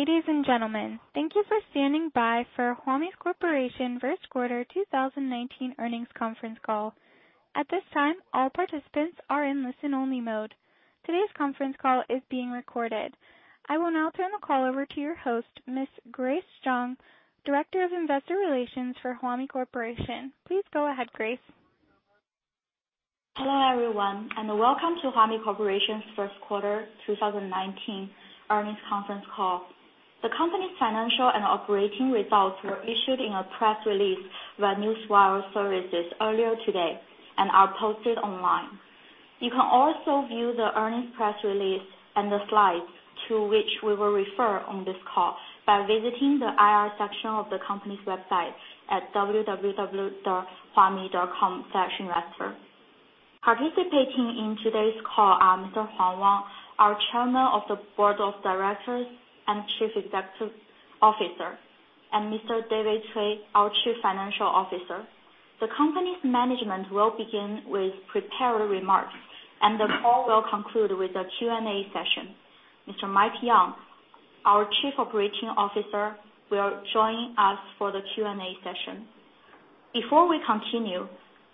Hello, ladies and gentlemen. Thank you for standing by for Huami Corporation first quarter 2019 earnings conference call. At this time, all participants are in listen-only mode. Today's conference call is being recorded. I will now turn the call over to your host, Ms. Grace Zhang, Director of Investor Relations for Huami Corporation. Please go ahead, Grace. Hello, everyone, welcome to Huami Corporation's first quarter 2019 earnings conference call. The company's financial and operating results were issued in a press release by Newswire services earlier today and are posted online. You can also view the earnings press release and the slides to which we will refer on this call by visiting the IR section of the company's website at www.huami.com/investor. Participating in today's call are Mr. Huang Wang, our Chairman of the Board of Directors and Chief Executive Officer, and Mr. David Cui, our Chief Financial Officer. The company's management will begin with prepared remarks, and the call will conclude with a Q&A session. Mr. Mike Yeung, our Chief Operating Officer, will join us for the Q&A session. Before we continue,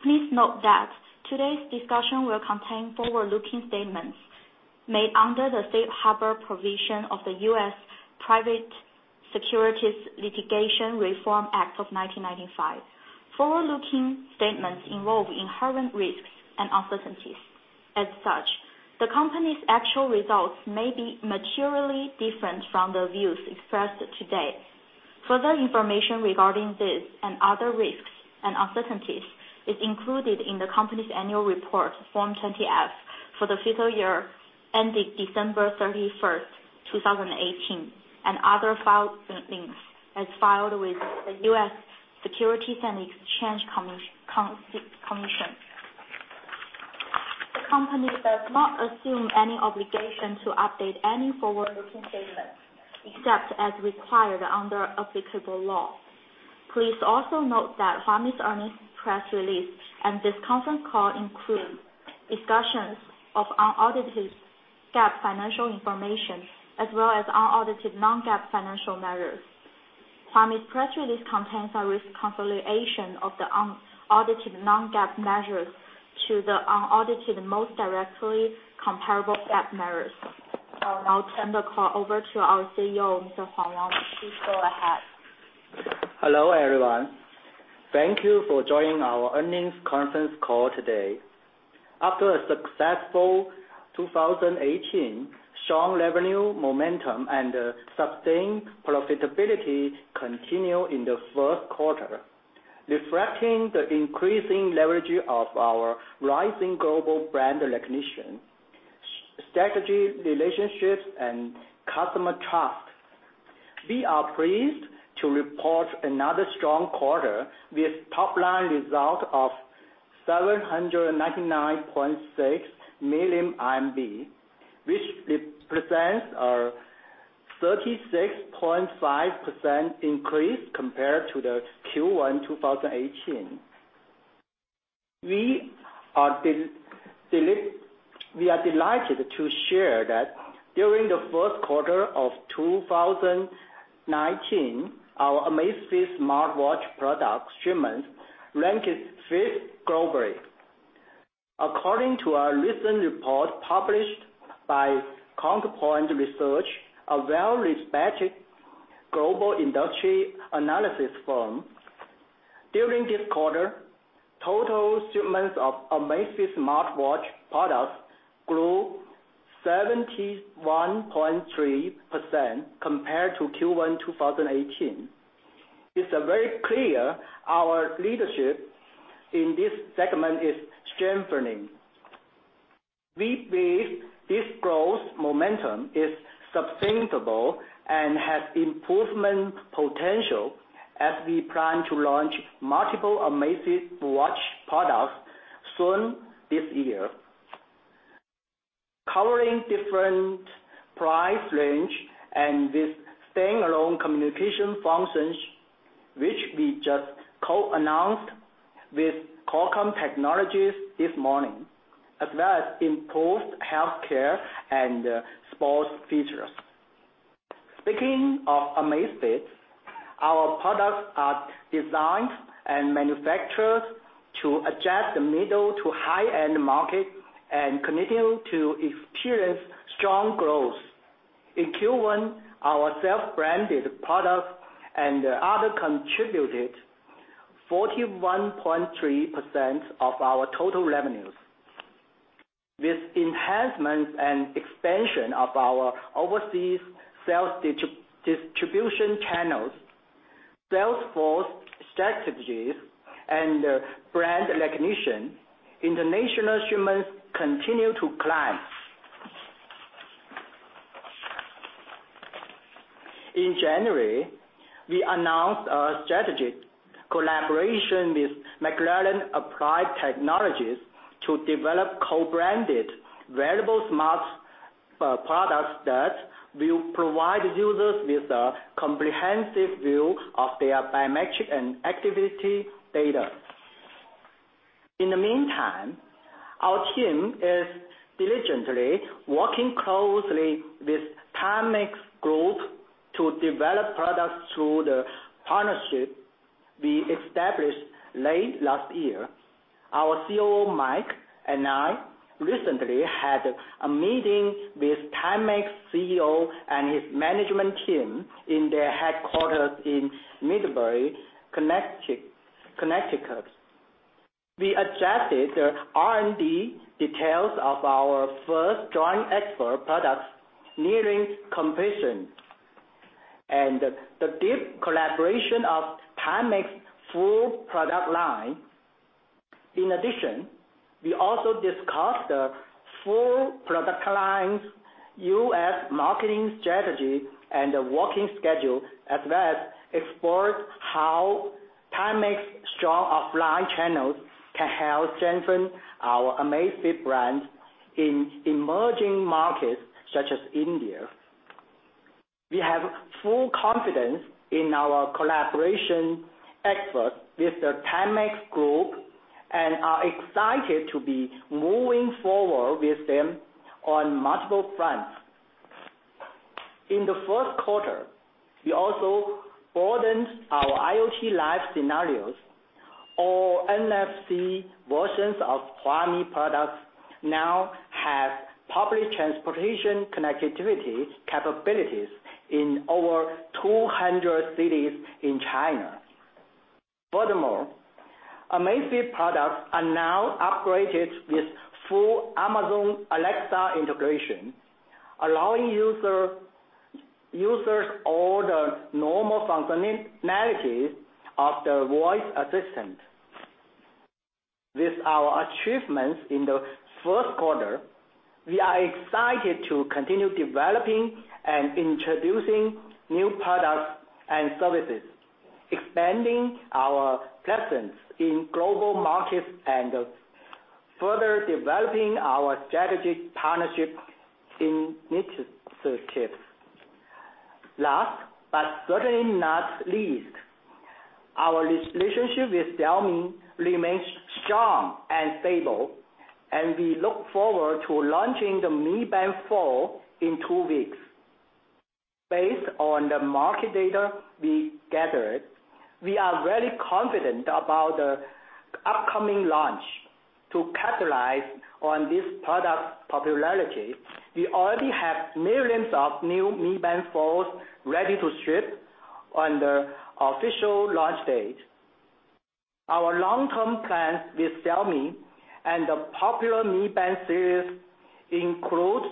please note that today's discussion will contain forward-looking statements made under the Safe Harbor provision of the U.S. Private Securities Litigation Reform Act of 1995. Forward-looking statements involve inherent risks and uncertainties. As such, the company's actual results may be materially different from the views expressed today. Further information regarding this and other risks and uncertainties is included in the company's annual report Form 20F for the fiscal year ending December 31st, 2018, and other filings as filed with the U.S. Securities and Exchange Commission. The company does not assume any obligation to update any forward-looking statements except as required under applicable law. Please also note that Huami's earnings press release and this conference call include discussions of unaudited GAAP financial information as well as unaudited non-GAAP financial measures. Huami's press release contains a reconciliation of the unaudited non-GAAP measures to the unaudited most directly comparable GAAP measures. I will now turn the call over to our CEO, Mr. Huang Wang. Please go ahead. Hello, everyone. Thank you for joining our earnings conference call today. After a successful 2018, strong revenue momentum and sustained profitability continue in the first quarter, reflecting the increasing leverage of our rising global brand recognition, strategy, relationships, and customer trust. We are pleased to report another strong quarter with top-line result of 799.6 million, which represents a 36.5% increase compared to the Q1 2018. We are delighted to share that during the first quarter of 2019, our Amazfit smartwatch product shipments ranked fifth globally. According to a recent report published by Counterpoint Research, a well-respected global industry analysis firm. During this quarter, total shipments of Amazfit smartwatch products grew 71.3% compared to Q1 2018. It's very clear our leadership in this segment is strengthening. We believe this growth momentum is sustainable and has improvement potential as we plan to launch multiple Amazfit watch products soon this year. Covering different price range and with standalone communication functions, which we just co-announced with Qualcomm Technologies this morning, as well as improved healthcare and sports features. Speaking of Amazfit, our products are designed and manufactured to adjust the middle to high-end market and continue to experience strong growth. In Q1, our self-branded products and the other contributed 41.3% of our total revenues. With enhancements and expansion of our overseas sales distribution channels, sales force strategies, and brand recognition, international shipments continue to climb. In January, we announced a strategic collaboration with McLaren Applied Technologies to develop co-branded wearable smart products that will provide users with a comprehensive view of their biometric and activity data. In the meantime, our team is diligently working closely with Timex Group to develop products through the partnership we established late last year. Our COO, Mike, and I recently had a meeting with Timex CEO and his management team in their headquarters in Middlebury, Connecticut. We adjusted the R&D details of our first joint expert products nearing completion, and the deep collaboration of Timex's full product line. In addition, we also discussed the full product line's U.S. marketing strategy and the working schedule, as well as explored how Timex's strong offline channels can help strengthen our Amazfit brands in emerging markets such as India. We have full confidence in our collaboration efforts with the Timex Group and are excited to be moving forward with them on multiple fronts. In the first quarter, we also broadened our IoT life scenarios. All NFC versions of Huami products now have public transportation connectivity capabilities in over 200 cities in China. Furthermore, Amazfit products are now upgraded with full Amazon Alexa integration, allowing users all the normal functionalities of the voice assistant. With our achievements in the first quarter, we are excited to continue developing and introducing new products and services, expanding our presence in global markets, and further developing our strategic partnership initiatives. Last, certainly not least, our relationship with Xiaomi remains strong and stable, and we look forward to launching the Mi Band 4 in two weeks. Based on the market data we gathered, we are very confident about the upcoming launch. To capitalize on this product popularity, we already have millions of new Mi Band 4s ready to ship on the official launch date. Our long-term plans with Xiaomi and the popular Mi Band series include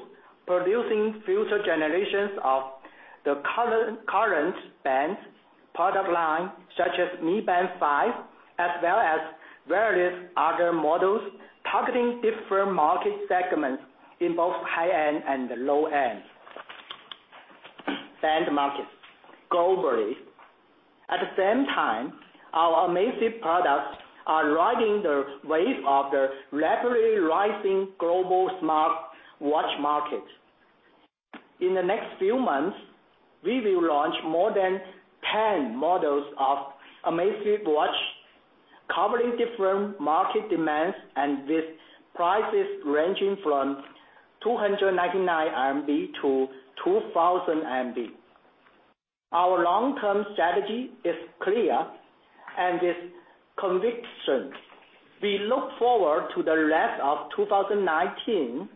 producing future generations of the current band's product line, such as Mi Band 5, as well as various other models targeting different market segments in both high-end and low-end band markets globally. At the same time, our Amazfit products are riding the wave of the rapidly rising global smartwatch market. In the next few months, we will launch more than 10 models of Amazfit watch, covering different market demands and with prices ranging from 299 RMB to 2,000 RMB. Our long-term strategy is clear and with conviction. We look forward to the rest of 2019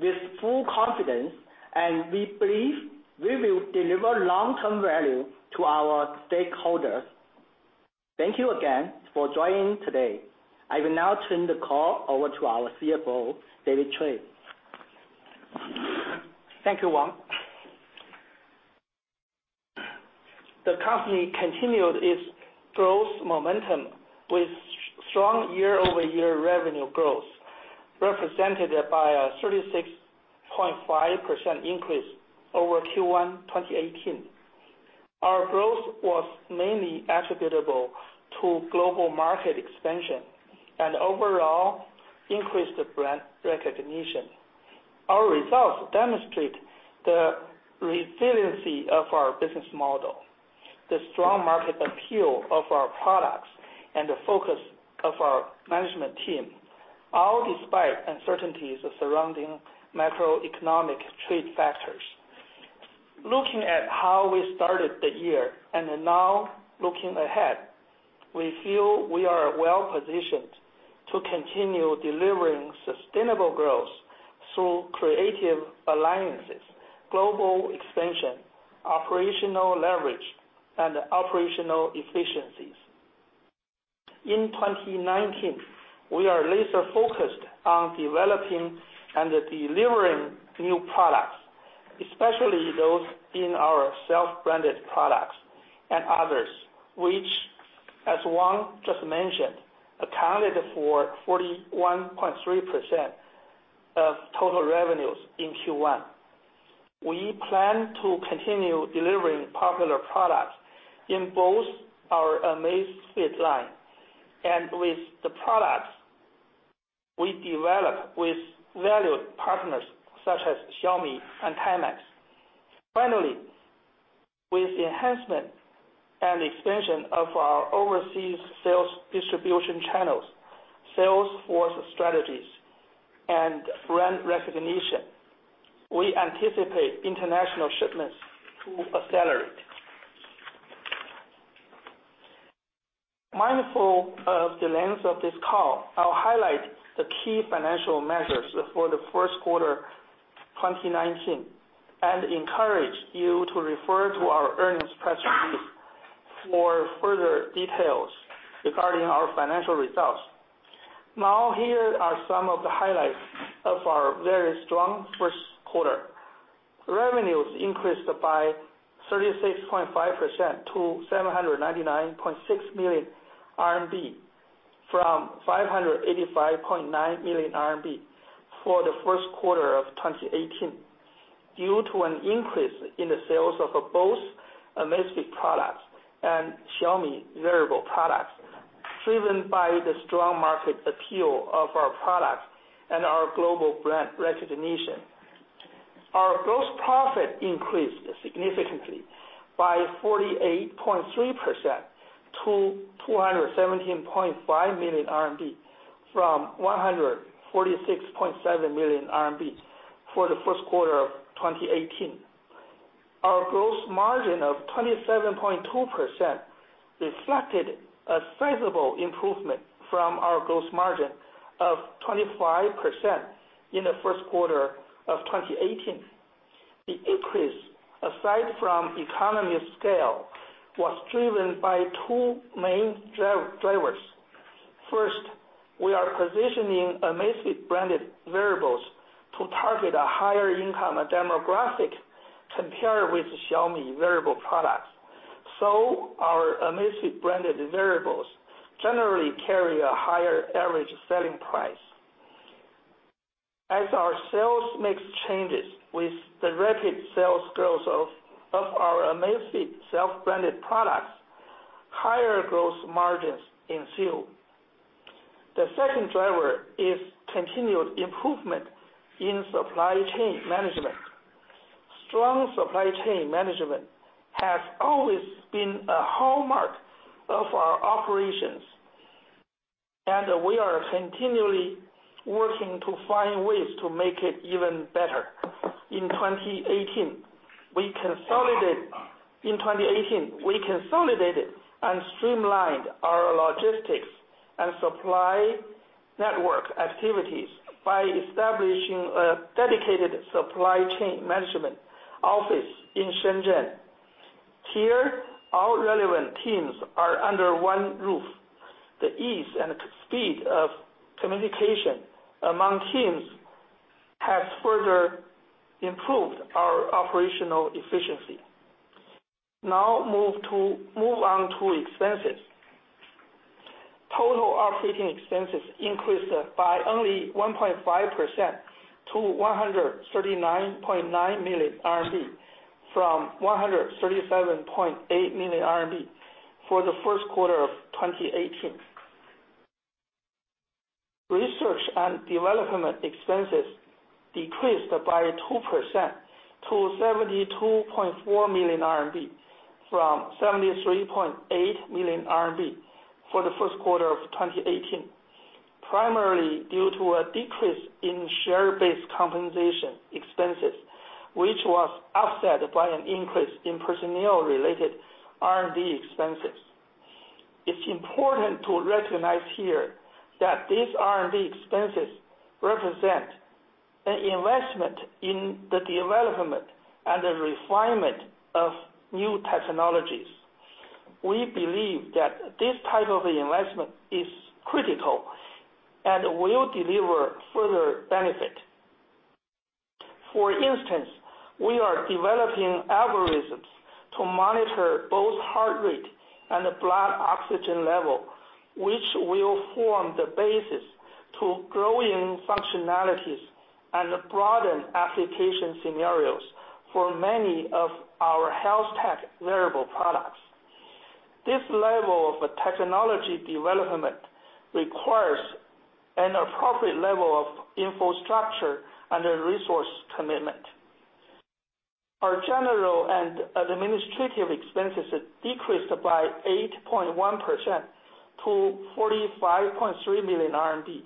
with full confidence, and we believe we will deliver long-term value to our stakeholders. Thank you again for joining today. I will now turn the call over to our CFO, David Cui. Thank you, Wang. The company continued its growth momentum with strong year-over-year revenue growth, represented by a 36.5% increase over Q1 2018. Our growth was mainly attributable to global market expansion and overall increased brand recognition. Our results demonstrate the resiliency of our business model, the strong market appeal of our products, and the focus of our management team, all despite uncertainties surrounding macroeconomic trade factors. Looking at how we started the year and now looking ahead, we feel we are well-positioned to continue delivering sustainable growth through creative alliances, global expansion, operational leverage, and operational efficiencies. In 2019, we are laser-focused on developing and delivering new products, especially those in our self-branded products and others, which, as Wang just mentioned, accounted for 41.3% of total revenues in Q1. We plan to continue delivering popular products in both our Amazfit line and with the products we develop with valued partners such as Xiaomi and Timex. Finally, with the enhancement and expansion of our overseas sales distribution channels, sales force strategies, and brand recognition, we anticipate international shipments to accelerate. Mindful of the length of this call, I'll highlight the key financial measures for the first quarter 2019, and encourage you to refer to our earnings press release for further details regarding our financial results. Here are some of the highlights of our very strong first quarter. Revenues increased by 36.5% to 799.6 million RMB from 585.9 million RMB for the first quarter of 2018, due to an increase in the sales of both Amazfit products and Xiaomi wearable products, driven by the strong market appeal of our products and our global brand recognition. Our gross profit increased significantly by 48.3% to 217.5 million RMB from 146.7 million RMB for the first quarter of 2018. Our gross margin of 27.2% reflected a sizable improvement from our gross margin of 25% in the first quarter of 2018. The increase, aside from economy of scale, was driven by two main drivers. First, we are positioning Amazfit-branded wearables to target a higher-income demographic compared with the Xiaomi wearable products. Our Amazfit-branded wearables generally carry a higher average selling price. As our sales mix changes with the rapid sales growth of our Amazfit self-branded products, higher gross margins ensue. The second driver is continued improvement in supply chain management. Strong supply chain management has always been a hallmark of our operations, and we are continually working to find ways to make it even better. In 2018, we consolidated and streamlined our logistics and supply network activities by establishing a dedicated supply chain management office in Shenzhen. Here, all relevant teams are under one roof. The ease and speed of communication among teams has further improved our operational efficiency. Move on to expenses. Total operating expenses increased by only 1.5% to 139.9 million RMB from 137.8 million RMB for the first quarter of 2018. Research and development expenses decreased by 2% to 72.4 million RMB from 73.8 million RMB for the first quarter of 2018, primarily due to a decrease in share-based compensation expenses, which was offset by an increase in personnel-related R&D expenses. It's important to recognize here that these R&D expenses represent an investment in the development and the refinement of new technologies. We believe that this type of investment is critical and will deliver further benefit. For instance, we are developing algorithms to monitor both heart rate and blood oxygen level, which will form the basis to growing functionalities and broaden application scenarios for many of our health tech wearable products. This level of technology development requires an appropriate level of infrastructure and a resource commitment. Our general and administrative expenses decreased by 8.1% to 45.3 million RMB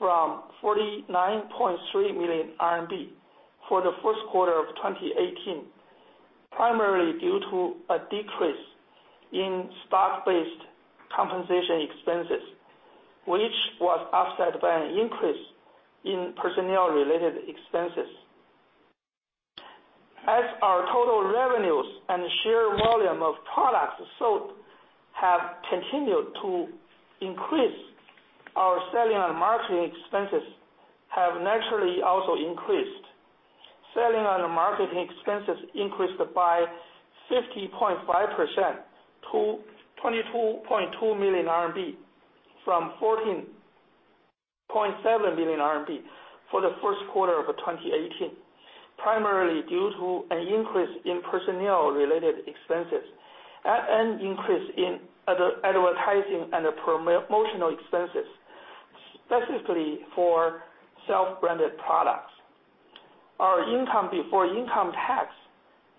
from 49.3 million RMB for the first quarter of 2018, primarily due to a decrease in stock-based compensation expenses, which was offset by an increase in personnel-related expenses. As our total revenues and sheer volume of products sold have continued to increase, our selling and marketing expenses have naturally also increased. Selling and marketing expenses increased by 50.5% to 22.2 million RMB from 14.7 million RMB for the first quarter of 2018, primarily due to an increase in personnel-related expenses and increase in advertising and promotional expenses. Specifically for self-branded products. Our income before income tax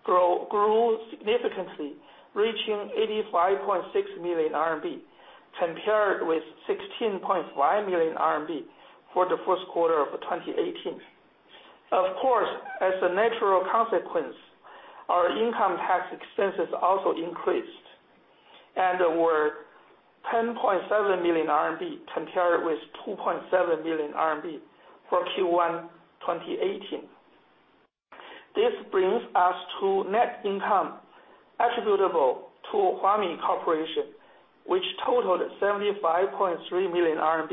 grew significantly, reaching 85.6 million RMB, compared with 16.5 million RMB for the first quarter of 2018. Of course, as a natural consequence, our income tax expenses also increased and were 10.7 million RMB, compared with 2.7 million RMB for Q1 2018. This brings us to net income attributable to Huami Corporation, which totaled 75.3 million RMB,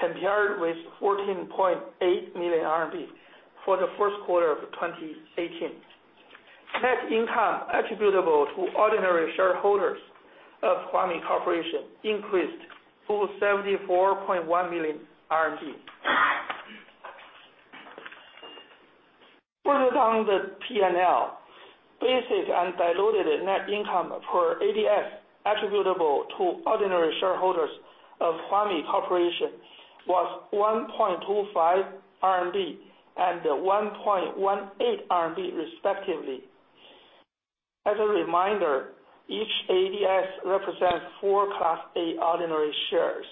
compared with 14.8 million RMB for the first quarter of 2018. Net income attributable to ordinary shareholders of Huami Corporation increased to RMB 74.1 million. Further down the P&L, basic and diluted net income per ADS attributable to ordinary shareholders of Huami Corporation was 1.25 RMB and 1.18 RMB respectively. As a reminder, each ADS represents four Class A ordinary shares.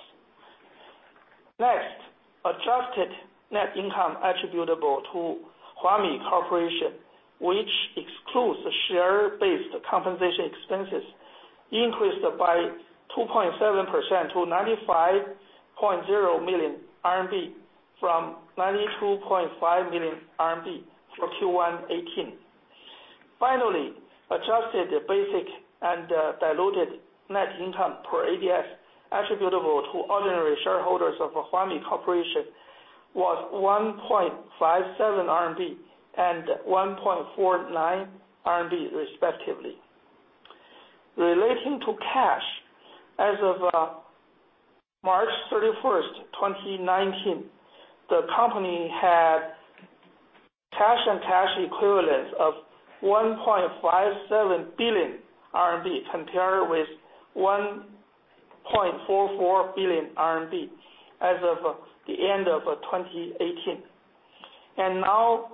Adjusted net income attributable to Huami Corporation, which excludes the share-based compensation expenses, increased by 2.7% to 95.0 million RMB, from 92.5 million RMB for Q1 2018. Finally, adjusted basic and diluted net income per ADS attributable to ordinary shareholders of Huami Corporation was 1.57 RMB and 1.49 RMB, respectively. Relating to cash, as of March 31st, 2019, the company had cash and cash equivalents of 1.57 billion RMB, compared with 1.44 billion RMB as of the end of 2018. Now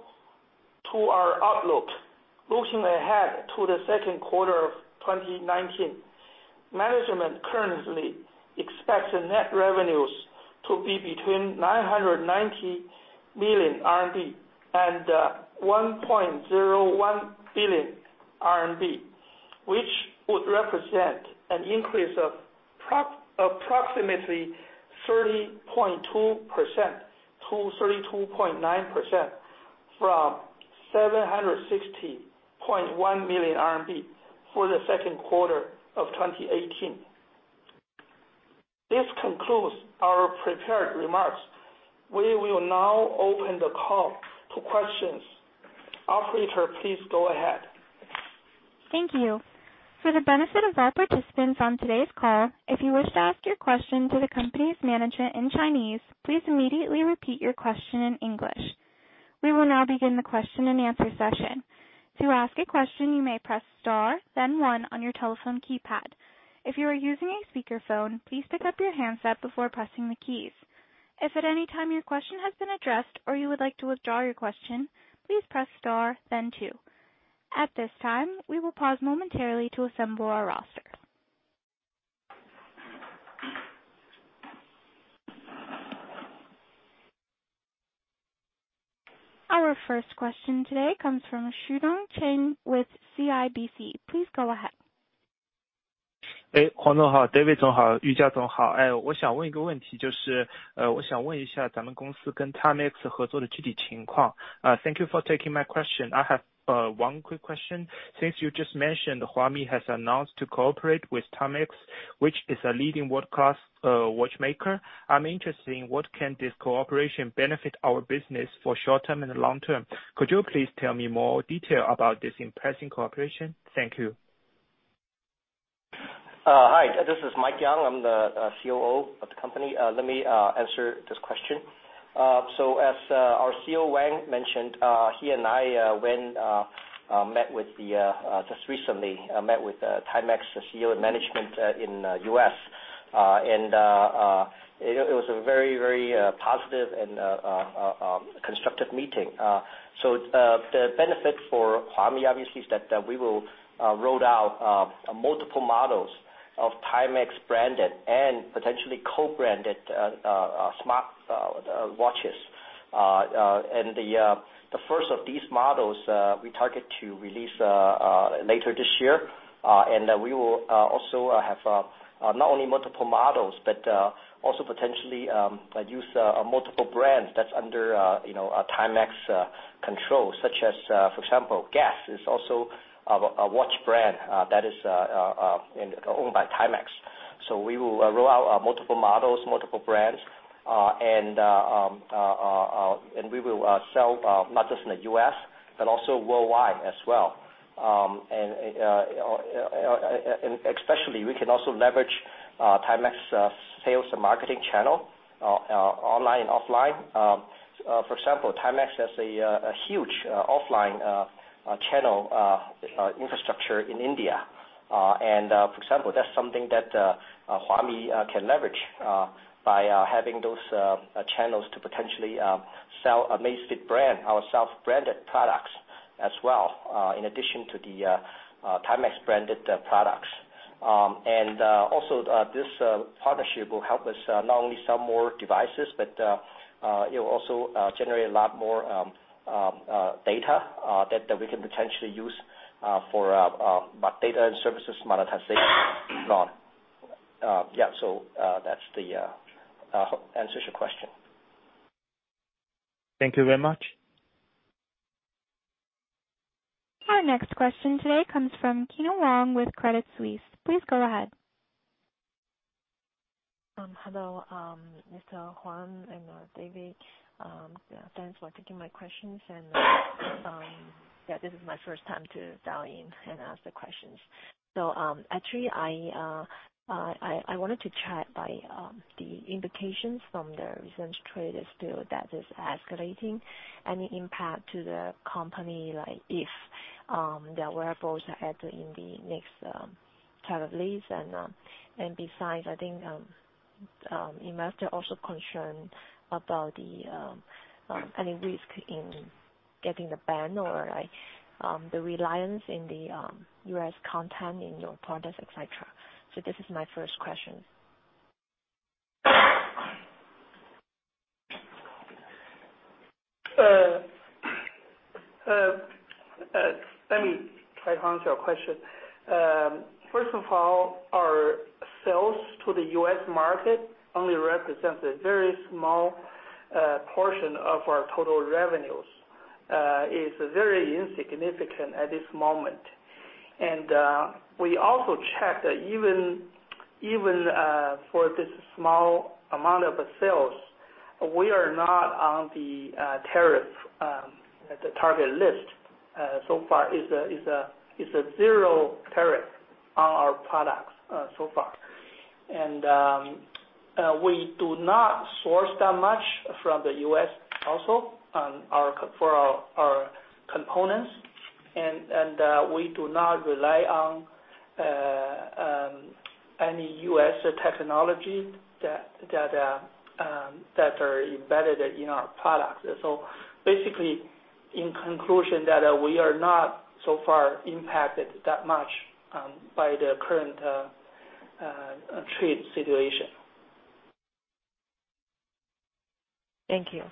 to our outlook. Looking ahead to the second quarter of 2019, management currently expects net revenues to be between 990 million RMB and 1.01 billion RMB, which would represent an increase of approximately 30.2%-32.9% from 760.1 million RMB for the second quarter of 2018. This concludes our prepared remarks. We will now open the call to questions. Operator, please go ahead. Thank you. For the benefit of our participants on today's call, if you wish to ask your question to the company's management in Chinese, please immediately repeat your question in English. We will now begin the question-and-answer session. To ask a question, you may press star then one on your telephone keypad. If you are using a speakerphone, please pick up your handset before pressing the keys. If at any time your question has been addressed or you would like to withdraw your question, please press star then two. At this time, we will pause momentarily to assemble our roster. Our first question today comes from Xudong Chen with CIBC. Please go ahead. Hello, Wang Huang. Hello, David. Hello, Yu Jia. I would like to ask a question. I would like to ask about the specific situation of our company's cooperation with Timex. Thank you for taking my question. I have one quick question. Since you just mentioned Huami has announced to cooperate with Timex, which is a leading world-class watchmaker, I'm interested in what can this cooperation benefit our business for short-term and long-term. Could you please tell me more detail about this impressive cooperation? Thank you. Hi, this is Mike Yeung. I'm the COO of the company. Let me answer this question. As our CEO, Wang, mentioned, he and I just recently met with Timex CEO and management in the U.S., it was a very positive and constructive meeting. The benefit for Huami, obviously, is that we will roll out multiple models of Timex-branded and potentially co-branded smart watches. The first of these models we target to release later this year, we will also have not only multiple models, but also potentially use multiple brands that's under Timex control, such as, for example, Guess is also a watch brand that is owned by Timex. We will roll out multiple models, multiple brands, we will sell not just in the U.S. but also worldwide as well. Especially we can also leverage Timex sales and marketing channel online and offline. For example, Timex has a huge offline channel infrastructure in India. And for example, that's something that Huami can leverage by having those channels to potentially sell Amazfit brand, our self-branded products as well, in addition to the Timex-branded products. Also, this partnership will help us not only sell more devices, but it will also generate a lot more data that we can potentially use for our data and services monetization as well. Yeah. I hope that answers your question. Thank you very much. Our next question today comes from Kyna Wong with Credit Suisse. Please go ahead. Hello, Mr. Huang and David. Thanks for taking my questions and yeah, this is my first time to dial in and ask the questions. Actually, I wanted to chat by the implications from the recent trade bill that is escalating, any impact to the company, like if the wearables are added in the next tariff list. Besides, I think investors are also concerned about any risk in getting a ban or the reliance in the U.S. content in your products, et cetera. This is my first question. Let me try to answer your question. First of all, our sales to the U.S. market only represents a very small portion of our total revenues. It's very insignificant at this moment. We also checked that even for this small amount of sales, we are not on the tariff, the target list so far. It's a zero tariff on our products so far. We do not source that much from the U.S. also for our components, and we do not rely on any U.S. technology that are embedded in our products. Basically, in conclusion, that we are not so far impacted that much by the current trade situation. Thank you.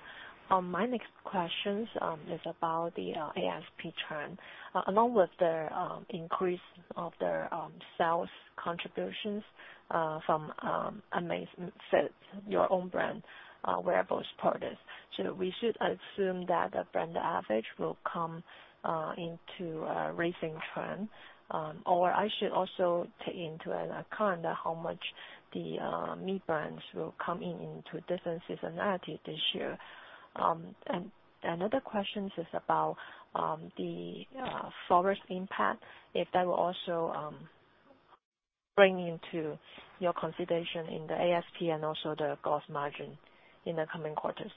My next question is about the ASP trend. Along with the increase of the sales contributions from Amazfit, your own brand wearables products. We should assume that the brand average will come into a raising trend. Or I should also take into account how much the Mi Brands will come in into different seasonality this year. Another question is about the forward impact, if that will also bring into your consideration in the ASP and also the gross margin in the coming quarters.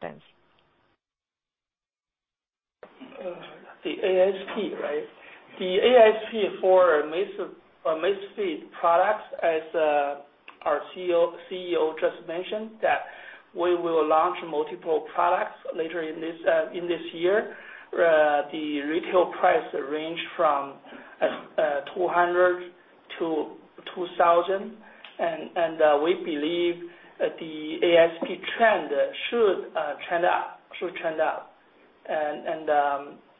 Thanks. The ASP, right? The ASP for Amazfit products, as our CEO just mentioned, that we will launch multiple products later in this year. The retail price range from 200-2,000, and we believe the ASP trend should trend up.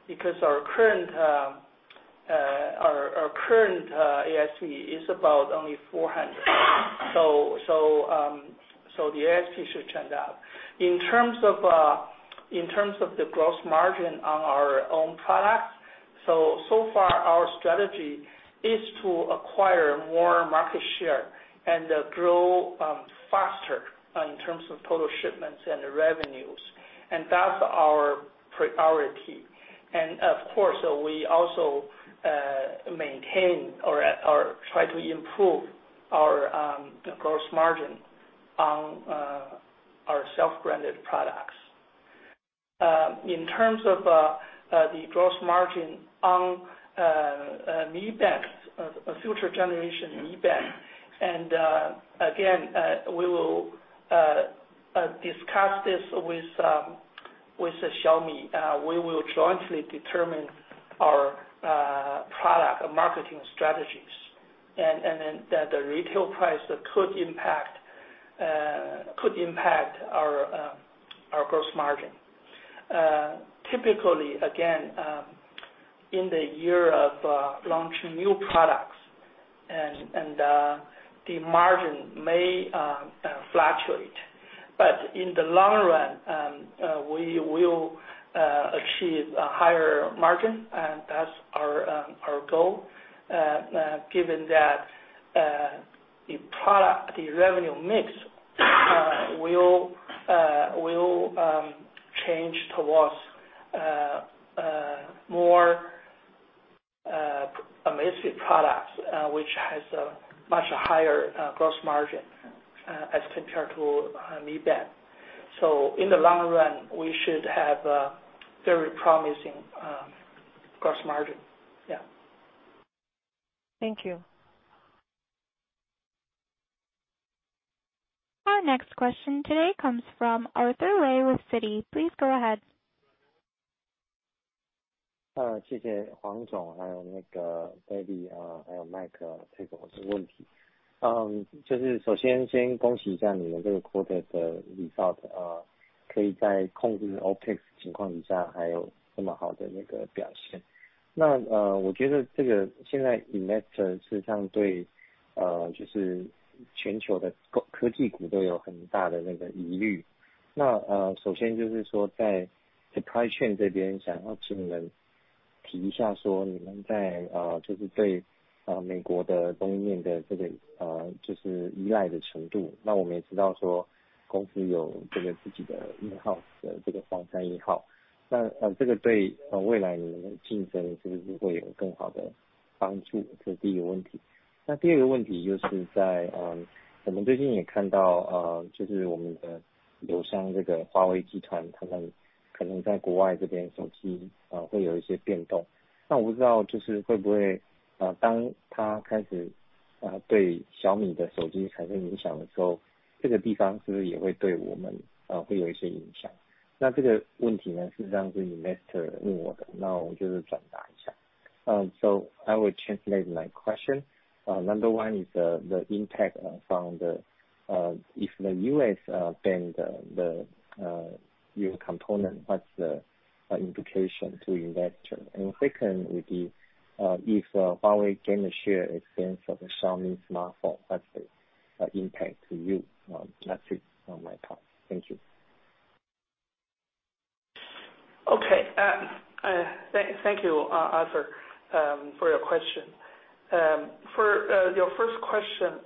Because our current ASP is about only 400, the ASP should trend up. In terms of the gross margin on our own products, so far our strategy is to acquire more market share and grow faster in terms of total shipments and revenues. That's our priority. Of course, we also maintain or try to improve our gross margin on our self-branded products. In terms of the gross margin on future generation Mi Band, again, we will discuss this with Xiaomi. We will jointly determine our product marketing strategies, then the retail price could impact our gross margin. Typically, again, in the year of launching new products and the margin may fluctuate. In the long run, we will achieve a higher margin, and that's our goal, given that the revenue mix will change towards more Amazfit products, which has a much higher gross margin as compared to Mi Band. In the long run, we should have a very promising gross margin. Yeah. Thank you. Our next question today comes from Arthur Lai with Citi. Please go ahead. Firstly, congratulations on your quarter results. You were able to maintain such good performance while controlling your OPEX. I think investors globally have significant concerns about the tech sector. First, regarding the supply chain, could you provide an update on Huami's reliance on components from the U.S. and how much there is? We also know that the company has its own in-house chip, the Huangshan 1. Will this provide a better competitive edge in the future? That's the first question. The second question is, we have recently seen some changes with our partner, Huawei. There may be some shifts in their mobile business internationally. I want to know if this will have an impact on Huami when it begins to affect Xiaomi's phone business. This question actually came from an investor, and I'm relaying it. I will translate my question. Number one is the impact if the U.S. bans the U.S. component, what's the implication to investors? Second would be, if Huawei gains share at the expense of Xiaomi smartphone, what's the impact to you? That's it on my part. Thank you. Okay. Thank you, Arthur, for your question. For your first question,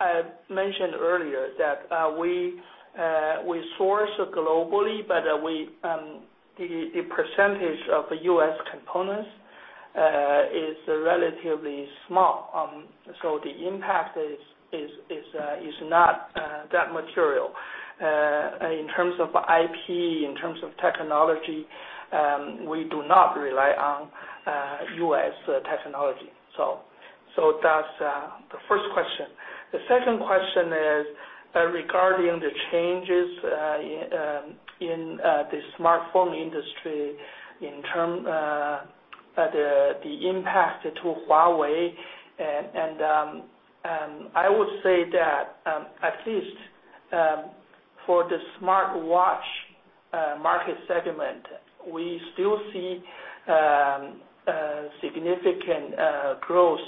I mentioned earlier that we source globally, but the percentage of U.S. components is relatively small. The impact is not that material. In terms of IP, in terms of technology, we do not rely on U.S. technology. That's the first question. The second question is regarding the changes in the smartphone industry, the impact to Huawei. I would say that at least for the smartwatch market segment, we still see significant growth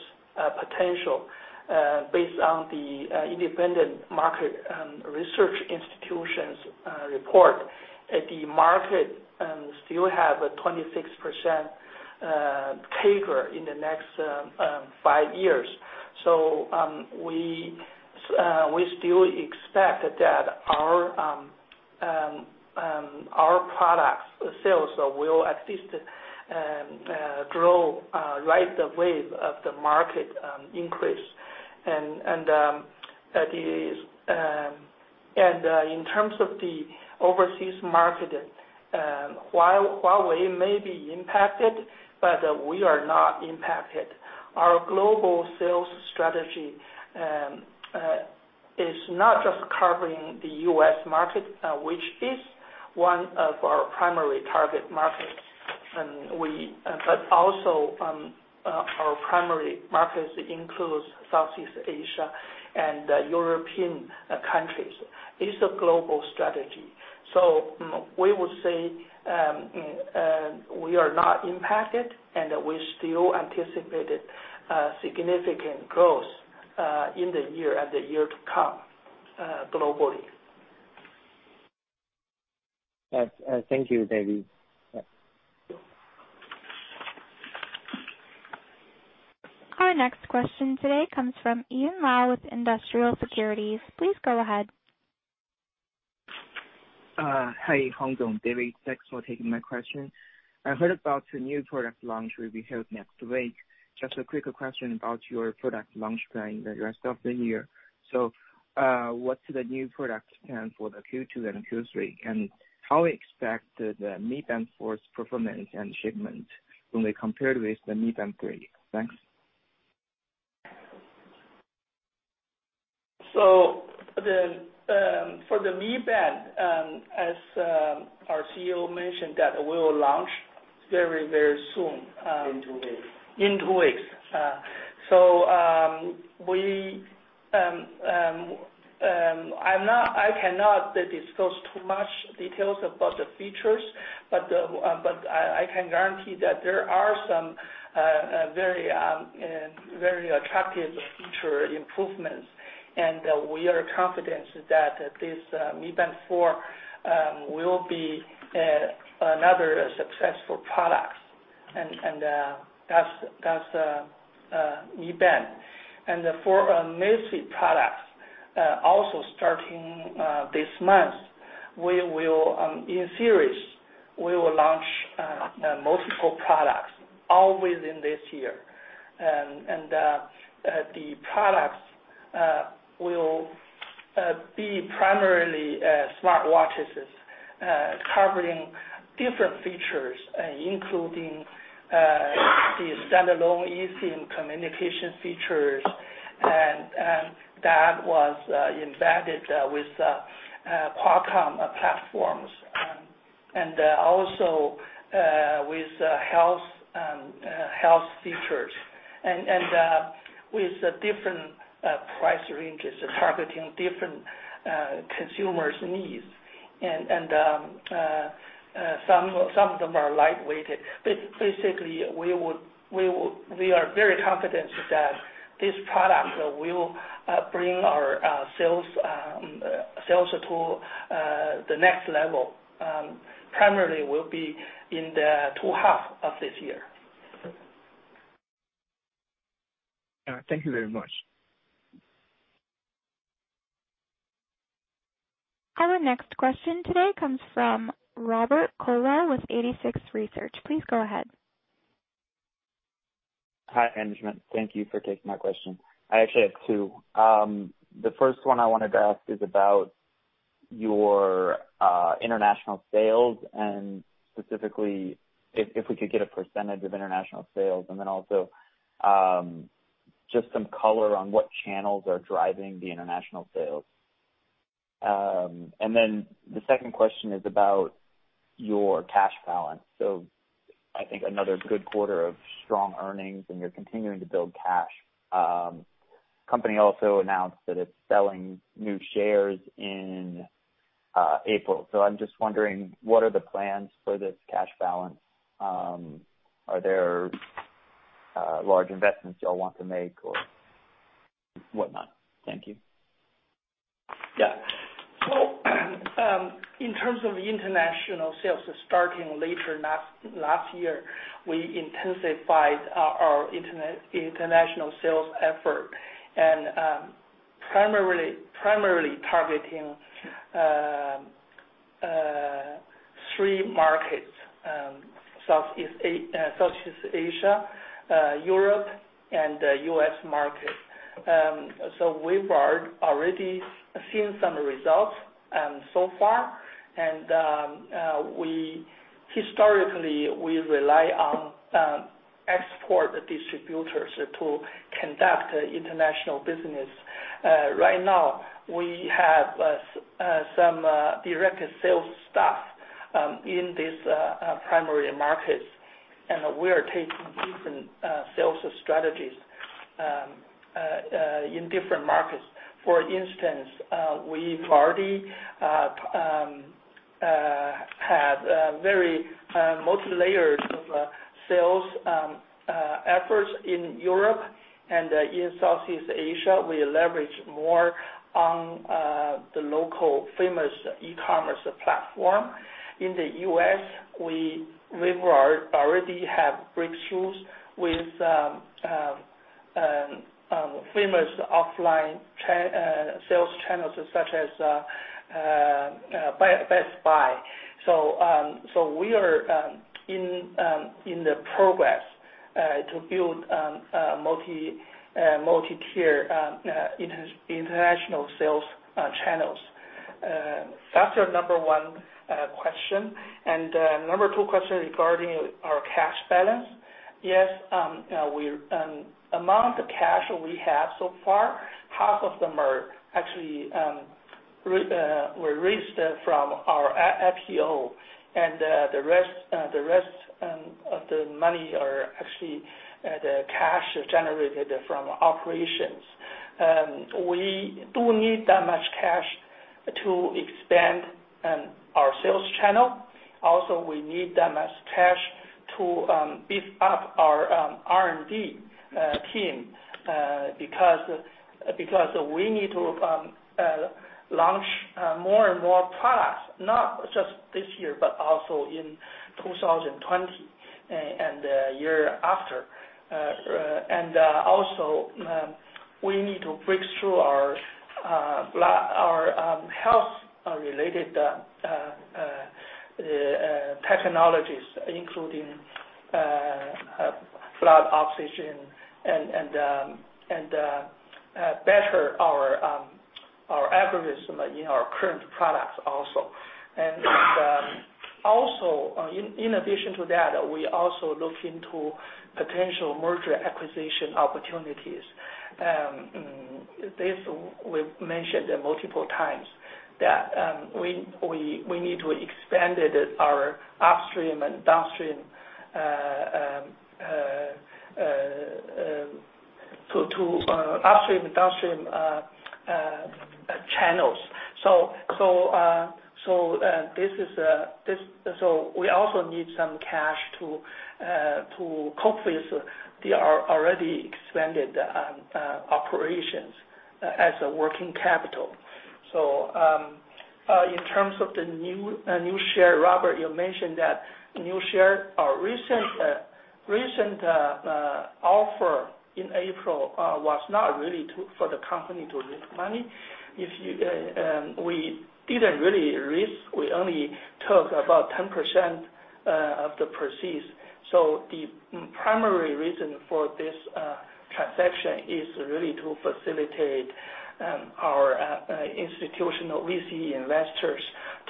potential based on the independent market research institutions report. The market still have a 26% CAGR in the next five years. We still expect that our product sales will at least ride the wave of the market increase. In terms of the overseas market, Huawei may be impacted, but we are not impacted. Our global sales strategy is not just covering the U.S. market, which is one of our primary target markets. Also, our primary markets includes Southeast Asia and European countries. It's a global strategy. We would say we are not impacted, and we still anticipate significant growth in the year and the year to come globally. Thank you, David. Our next question today comes from Ian Lau with Industrial Securities. Please go ahead. Hi, Wang Huang, David. Thanks for taking my question. I heard about the new product launch will be held next week. Just a quick question about your product launch plan the rest of the year. What's the new product plan for the Q2 and Q3? How we expect the Mi Band 4's performance and shipment when we compare it with the Mi Band 3? Thanks. For the Mi Band, as our CEO mentioned, that will launch very soon. In two weeks. In two weeks. I cannot disclose too much details about the features, but I can guarantee that there are some very attractive feature improvements, we are confident that this Mi Band 4 will be another successful product. That's Mi Band. For Amazfit products, also starting this month, in series, we will launch multiple products all within this year. The products will be primarily smartwatches covering different features, including the standalone eSIM communication features, that was embedded with Qualcomm platforms and also with health features and with different price ranges targeting different consumers' needs. Some of them are light-weighted. Basically, we are very confident that this product will bring our sales to the next level, primarily will be in the second half of this year. Thank you very much. Our next question today comes from Robert Coller with 86Research. Please go ahead. Hi, management. Thank you for taking my question. I actually have two. The first one I wanted to ask is about your international sales and specifically if we could get a percentage of international sales, also some color on what channels are driving the international sales. The second question is about your cash balance. I think another good quarter of strong earnings, and you're continuing to build cash. Company also announced that it's selling new shares in April. I'm just wondering, what are the plans for this cash balance? Are there large investments you all want to make or whatnot? Thank you. In terms of international sales, starting later last year, we intensified our international sales effort and primarily targeting 3 markets: Southeast Asia, Europe, and the U.S. market. We've already seen some results so far, and historically, we rely on export distributors to conduct international business. Right now, we have some direct sales staff in these primary markets, and we are taking different sales strategies in different markets. For instance, we've already had very multi-layered of sales efforts in Europe and in Southeast Asia. We leverage more on the local famous e-commerce platform. In the U.S., we've already had breakthroughs with famous offline sales channels such as Best Buy. We are in the progress to build multi-tier international sales channels. That's your number one question. Number two question regarding our cash balance. Yes, amount of cash we have so far, half of them actually were raised from our FPO. The rest of the money are actually the cash generated from operations. We do need that much cash to expand our sales channel. Also, we need that much cash to beef up our R&D team because we need to launch more and more products, not just this year, but also in 2020 and the year after. We need to break through our health-related technologies, including blood oxygen, and better our algorithm in our current products, also. In addition to that, we also look into potential merger acquisition opportunities. This we've mentioned multiple times, that we need to expand our upstream and downstream channels. We also need some cash to cope with the already expanded operations as a working capital. In terms of the new share, Robert, you mentioned that new share. Our recent offer in April was not really for the company to raise money. We didn't really raise. We only took about 10% of the proceeds. The primary reason for this transaction is really to facilitate our institutional VC investors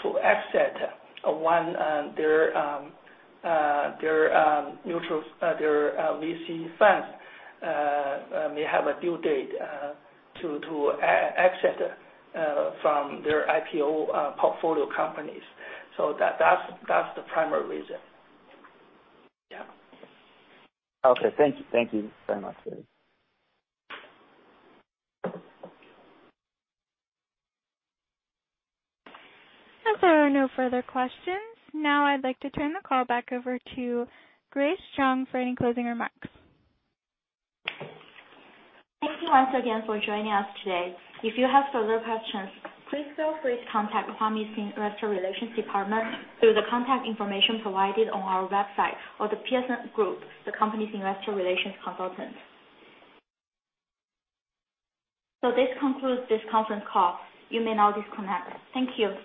to exit. One, their VC funds may have a due date to exit from their IPO portfolio companies. That's the primary reason. Okay. Thank you so much. As there are no further questions, I'd like to turn the call back over to Grace Zhang for any closing remarks. Thank you once again for joining us today. If you have further questions, please feel free to contact Huami's investor relations department through the contact information provided on our website or The Piacente Group, the company's investor relations consultant. This concludes this conference call. You may now disconnect. Thank you.